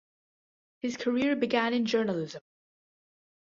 His career began in journalism.